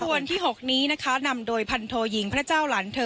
ส่วนที่๖นี้นะคะนำโดยพันโทยิงพระเจ้าหลานเธอ